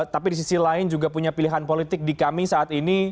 tapi di sisi lain juga punya pilihan politik di kami saat ini